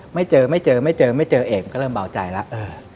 ไม่เจอเอกก็เริ่มเบาใจแล้ว